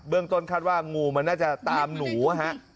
ต้นคาดว่างูมันน่าจะตามหนูนะฮะ